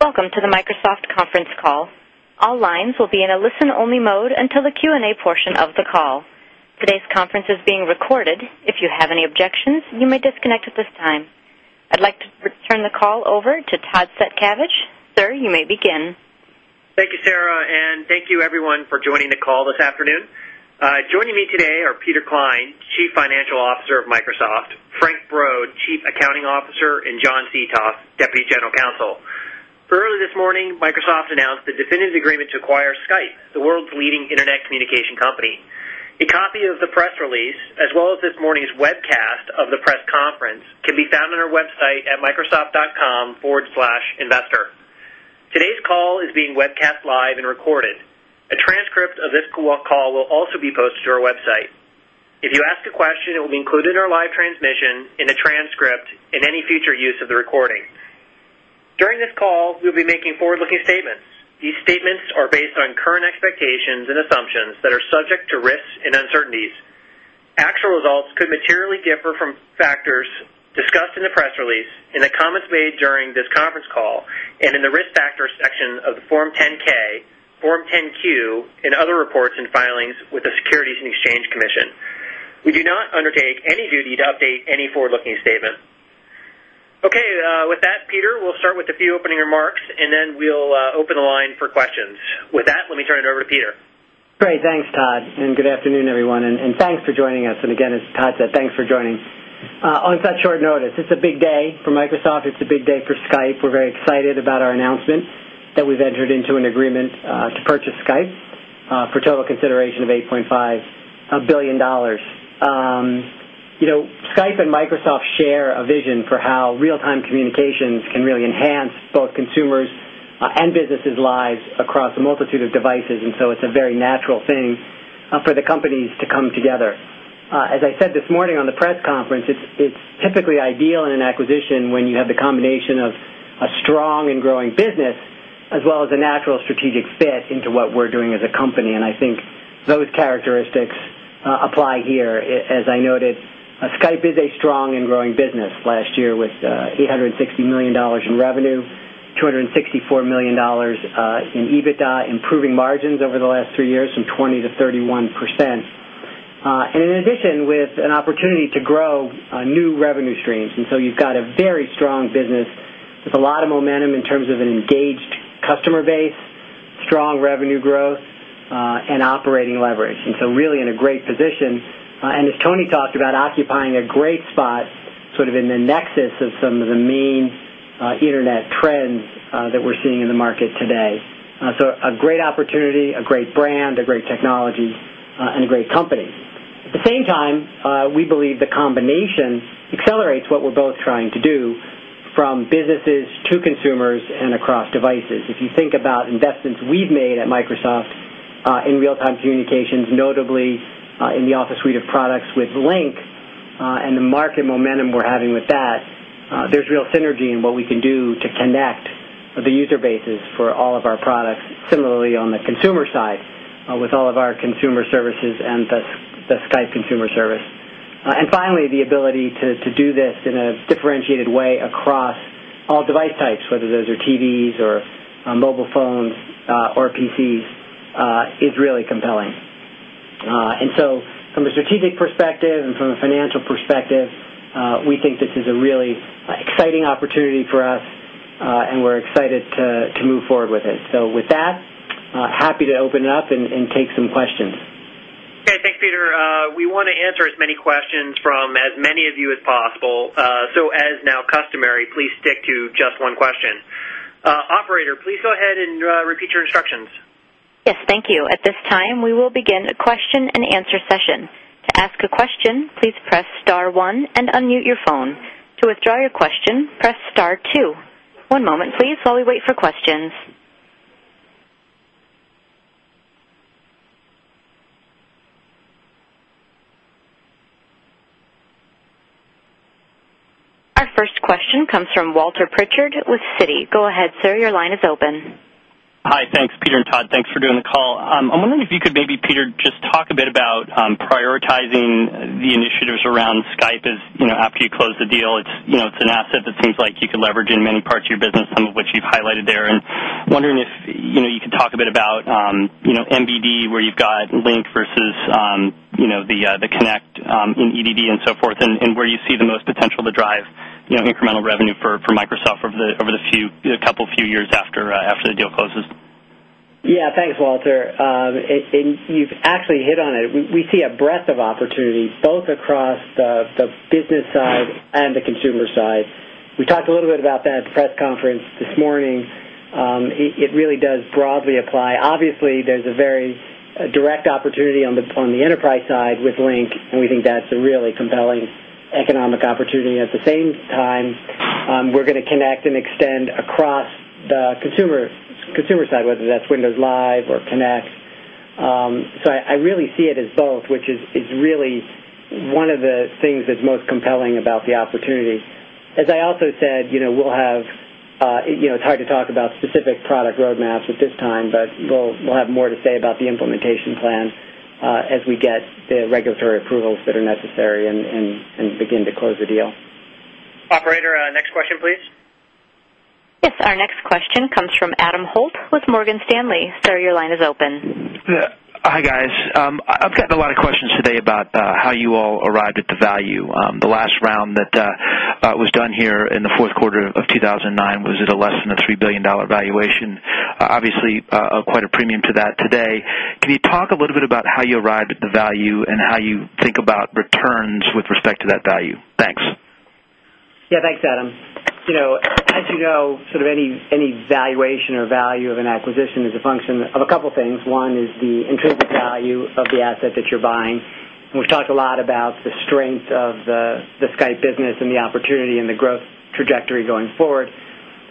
Welcome to the Microsoft Conference Call. All lines will be in a listen-only mode until the Q&A portion of the call. Today's conference is being recorded. If you have any objections, you may disconnect at this time. I'd like to turn the call over to Todd Setcavage Sir, you may begin. Thank you, Sarah, and thank you, everyone, for joining the call this afternoon. Joining me today are Peter Klein, Chief Financial Officer of Microsoft; Frank Brod, Chief Accounting Officer; and John Seethoff, Deputy General Counsel. Early this morning, Microsoft announced the definitive agreement to acquire Skype, the world's leading internet communication company. A copy of the press release, as well as this morning's webcast of the press conference, can be found on our website at microsoft.com/investor. Today's call is being webcast live and recorded. A transcript of this call will also be posted to our website. If you ask a question, it will be included in our live transmission in a transcript and any future use of the recording. During this call, we'll be making forward-looking statements. These statements are based on current expectations and assumptions that are subject to risks and uncertainties. Actual results could materially differ from factors discussed in the press release, in the comments made during this conference call, and in the risk factors section of the Form 10-K, Form 10-Q, and other reports and filings with the Securities and Exchange Commission. We do not undertake any duty to update any forward-looking statement. With that, Peter, we'll start with a few opening remarks, and then we'll open the line for questions. With that, let me turn it over to Peter. Great, thanks, Todd, and good afternoon, everyone, and thanks for joining us. As Todd said, thanks for joining on such short notice, it's a big day for Microsoft. It's a big day for Skype. We're very excited about our announcement that we've entered into an agreement to purchase Skype for total consideration of $8.5 billion. You know, Skype and Microsoft share a vision for how real-time communications can really enhance both consumers' and businesses' lives across a multitude of devices, and it's a very natural thing for the companies to come together. As I said this morning on the press conference, it's typically ideal in an acquisition when you have the combination of a strong and growing business as well as a natural strategic fit into what we're doing as a company, and I think those characteristics apply here. As I noted, Skype is a strong and growing business. Last year, with $860 million in revenue, $264 million in EBITDA, improving margins over the last three years from 20% - 31%, and in addition, with an opportunity to grow new revenue streams. You've got a very strong business with a lot of momentum in terms of an engaged customer base, strong revenue growth, and operating leverage, really in a great position. As Tony talked about, occupying a great spot sort of in the nexus of some of the main internet trends that we're seeing in the market today. A great opportunity, a great brand, a great technology, and a great company. At the same time, we believe the combination accelerates what we're both trying to do from businesses to consumers and across devices. If you think about investments we've made at Microsoft in real-time communications, notably in the Office Suite of Products with Microsoft Lync and the market momentum we're having with that, there's real synergy in what we can do to connect the user bases for all of our products. Similarly, on the consumer side, with all of our consumer services and the Skype consumer service, and finally, the ability to do this in a differentiated way across all device types, whether those are TVs or mobile phones or PCs, is really compelling. From a strategic perspective and from a financial perspective, we think this is a really exciting opportunity for us, and we're excited to move forward with it. With that, happy to open it up and take some questions. Okay, thanks, Peter. We want to answer as many questions from as many of you as possible, so as now customary, please stick to just one question. Operator, please go ahead and repeat your instructions. Yes, thank you. At this time, we will begin a question-and-answer session. To ask a question, please press star one and unmute your phone. To withdraw your question, press star two. One moment, please, while we wait for questions. Our first question comes from Walter Pritchard with Citi. Go ahead, sir, your line is open. Hi, thanks, Peter and Todd, thanks for doing the call. I'm wondering if you could maybe, Peter, just talk a bit about prioritizing the initiatives around Skype as, you know, after you close the deal. It's an asset that seems like you could leverage in many parts of your business, some of which you've highlighted there, and wondering if you could talk a bit about, you know, MBD, where you've got Lync versus, you know, the connect in EDD and so forth, and where you see the most potential to drive incremental revenue for Microsoft over the few, a couple few years after the deal closes. Yeah, thanks, Walter. You've actually hit on it. We see a breadth of opportunity both across the business side and the consumer side. We talked a little bit about that at the press conference this morning. It really does broadly apply. Obviously, there's a very direct opportunity on the enterprise side with Lync, and we think that's a really compelling economic opportunity. At the same time, we're going to connect and extend across the consumer side, whether that's Windows Live or Kinect. I really see it as both, which is really one of the things that's most compelling about the opportunity. As I also said, it's hard to talk about specific product roadmaps at this time, but we'll have more to say about the implementation plan as we get the regulatory approvals that are necessary and begin to close the deal. Operator, next question, please. Yes, our next question comes from Adam Holt with Morgan Stanley. Sir, your line is open. Hi, guys. I've gotten a lot of questions today about how you all arrived at the value. The last round that was done here in the fourth quarter of 2009 was at less than a $3 billion valuation. Obviously, quite a premium to that today. Can you talk a little bit about how you arrived at the value and how you think about returns with respect to that value? Thanks. Yeah, thanks, Adam. As you know, any valuation or value of an acquisition is a function of a couple of things. One is the intrinsic value of the asset that you're buying, and we've talked a lot about the strength of the Skype business and the opportunity and the growth trajectory going forward.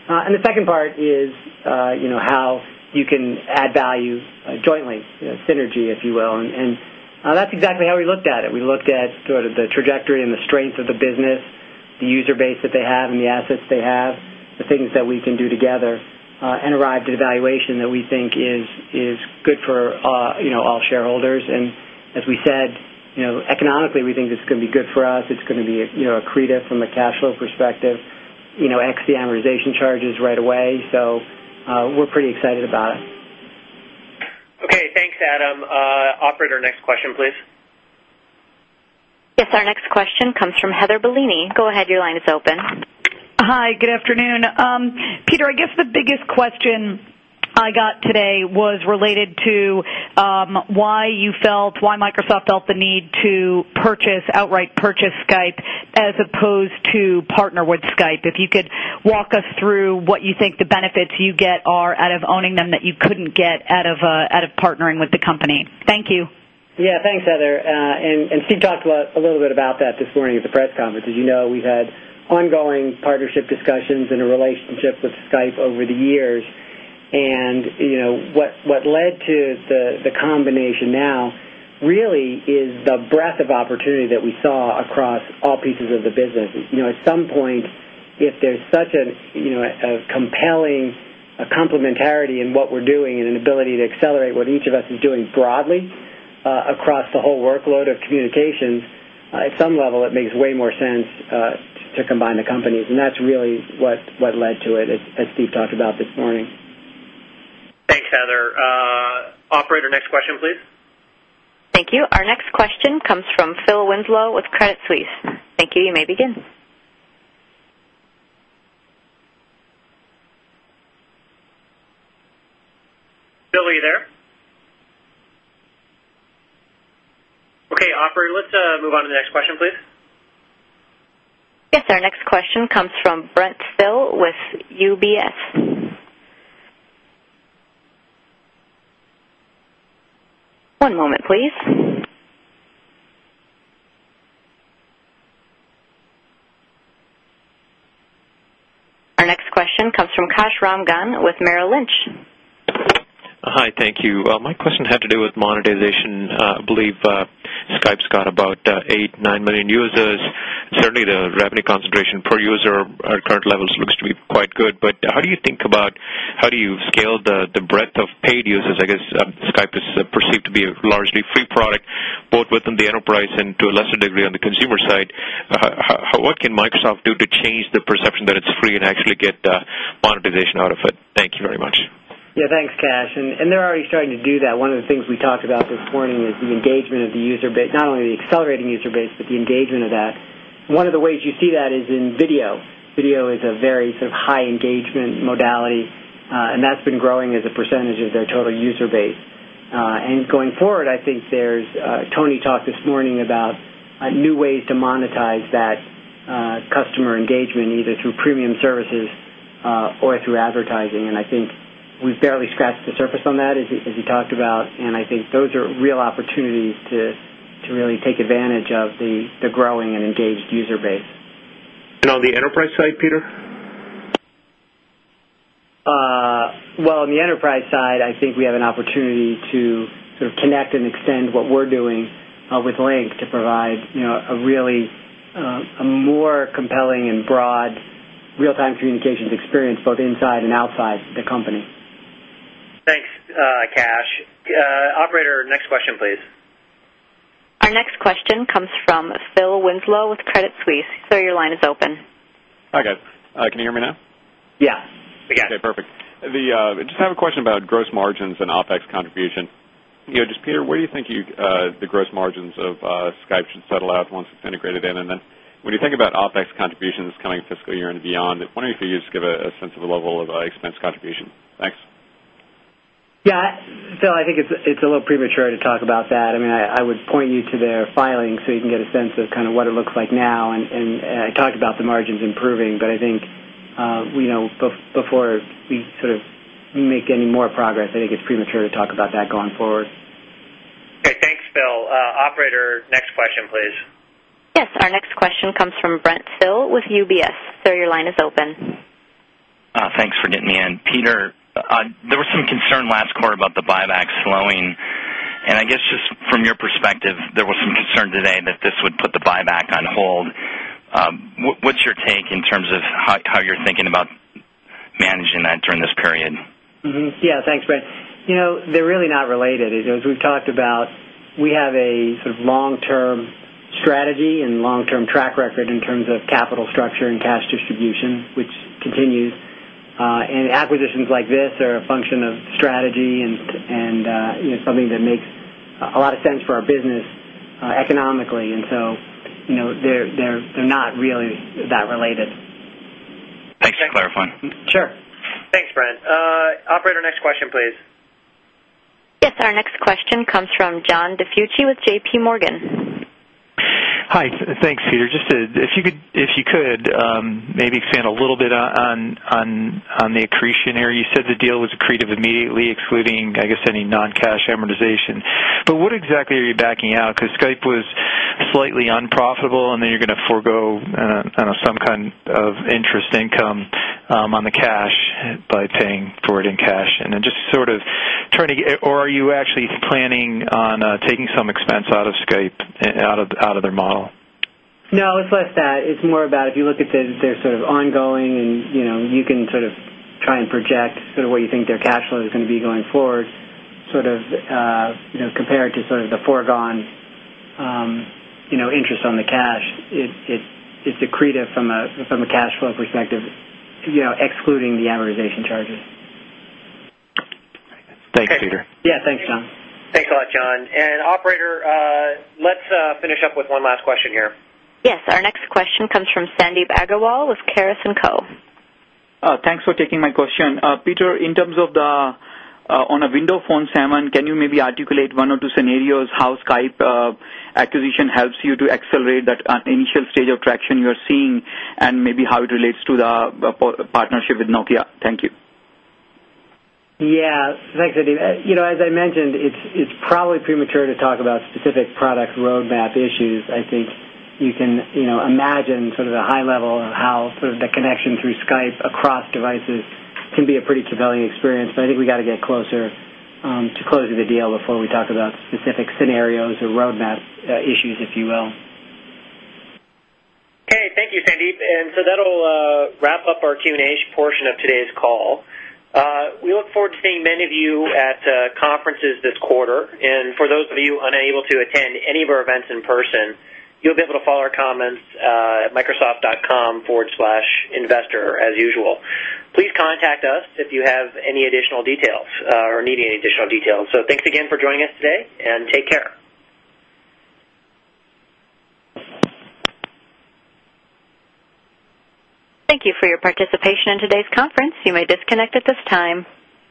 The second part is how you can add value jointly, synergies, if you will, and that's exactly how we looked at it. We looked at the trajectory and the strength of the business, the user base that they have, and the assets they have, the things that we can do together, and arrived at a valuation that we think is good for all shareholders. As we said, economically, we think this is going to be good for us. It's going to be accretive to cash flow, you know, excluding amortization charges right away. We're pretty excited about it. Okay, thanks, Adam. Operator, next question, please. Yes, our next question comes from Heather Bellini. Go ahead, your line is open. Hi, good afternoon. Peter, I guess the biggest question I got today was related to why you felt, why Microsoft felt the need to purchase, outright purchase Skype as opposed to partner with Skype. If you could walk us through what you think the benefits you get are out of owning them that you couldn't get out of partnering with the company. Thank you. Yeah, thanks, Heather. Steve talked a little bit about that this morning at the press conference. As you know, we've had ongoing partnership discussions and a relationship with Skype over the years. What led to the combination now really is the breadth of opportunity that we saw across all pieces of the business. At some point, if there's such a compelling complementarity in what we're doing and an ability to accelerate what each of us is doing broadly across the whole workload of communications, at some level, it makes way more sense to combine the companies, and that's really what led to it, as Steve talked about this morning. Thanks, Heather. Operator, next question, please. Thank you. Our next question comes from Phil Winslow with Credit Suisse. Thank you, you may begin. Phil, are you there? Okay, operator, let's move on to the next question, please. Yes, our next question comes from Brent Thill with UBS. One moment, please. Our next question comes from Kash Rangan with Merrill Lynch. Hi, thank you. My question had to do with monetization. I believe Skype's got about 8 or 9 million users. Certainly, the revenue concentration per user at current levels looks to be quite good, but how do you think about how you scale the breadth of paid users? I guess Skype is perceived to be a largely free product, both within the enterprise and to a lesser degree on the consumer side. What can Microsoft do to change the perception that it's free and actually get monetization out of it? Thank you very much. Yeah, thanks, Kash, and they're already starting to do that. One of the things we talked about this morning is the engagement of the user base, not only the accelerating user base, but the engagement of that. One of the ways you see that is in video. Video is a very sort of high engagement modality, and that's been growing as a percentage of their total user base. Going forward, I think there's, Tony talked this morning about new ways to monetize that customer engagement, either through premium services or through advertising, and I think we've barely scratched the surface on that, as he talked about, and I think those are real opportunities to really take advantage of the growing and engaged user base. On the enterprise side, Peter? On the enterprise side, I think we have an opportunity to sort of connect and extend what we're doing with Lync to provide, you know, a really more compelling and broad real-time communications experience, both inside and outside the company. Thanks, Kash. Operator, next question, please. Our next question comes from Phil Winslow with Credit Suisse. Sir, your line is open. Okay, can you hear me now? Yeah, we got it. Okay, perfect. I just have a question about gross margins and OpEx contribution. Peter, where do you think the gross margins of Skype should settle out once it's integrated in? When you think about OpEx contributions coming fiscal year and beyond, wondering if you could just give a sense of a level of expense contribution. Thanks. Yeah, Phil, I think it's a little premature to talk about that. I mean, I would point you to their filing so you can get a sense of kind of what it looks like now. I talked about the margins improving, but I think before we sort of make any more progress, I think it's premature to talk about that going forward. Okay, thanks, Phil. Operator, next question, please. Yes, our next question comes from Brent Thill with UBS. Sir, your line is open. Thanks for getting me in. Peter, there was some concern last quarter about the buyback slowing, and I guess just from your perspective, there was some concern today that this would put the buyback on hold. What's your take in terms of how you're thinking about managing that during this period? Yeah, thanks, Brent. They're really not related. As we've talked about, we have a long-term strategy and long-term track record in terms of capital structure and cash distribution, which continues. Acquisitions like this are a function of strategy and something that makes a lot of sense for our business economically. They're not really that related. Thanks for clarifying. Sure. Thanks, Brent. Operator, next question, please. Yes, our next question comes from John DiFucci with JPMorgan. Hi, thanks, Peter. Just to, if you could maybe expand a little bit on the accretion area. You said the deal was accretive immediately, excluding, I guess, any non-cash amortization, but what exactly are you backing out? Because Skype was slightly unprofitable, and then you're going to forego some kind of interest income on the cash by paying for it in cash, and then just sort of trying to get, or are you actually planning on taking some expense out of Skype, out of their model? No, it's less that. It's more about if you look at their ongoing, and you know, you can try and project what you think their cash flow is going to be going forward, compared to the foregone interest on the cash. It's accretive from a cash flow perspective, excluding the amortization charges. Thanks, Peter. Yeah, thanks, John. Thanks a lot, John. Operator, let's finish up with one last question here. Yes, our next question comes from Sandeep Aggarwal with Caris and Co. Thanks for taking my question. Peter, in terms of the, on a Windows Phone, can you maybe articulate one or two scenarios how the Skype acquisition helps you to accelerate that initial stage of traction you're seeing and maybe how it relates to the partnership with Nokia? Thank you. Yeah, thanks, Adeeb. As I mentioned, it's probably premature to talk about specific product roadmap issues. I think you can imagine sort of a high level of how the connection through Skype across devices can be a pretty compelling experience, but I think we got to get closer to closing the deal before we talk about specific scenarios or roadmap issues, if you will? Okay, thank you, Sandy, that'll wrap up our Q&A portion of today's call. We look forward to seeing many of you at conferences this quarter, and for those of you unable to attend any of our events in person, you'll be able to follow our comments at microsoft.com/investor as usual. Please contact us if you have any additional details or need any additional details. Thanks again for joining us today, and take care. Thank you for your participation in today's conference. You may disconnect at this time.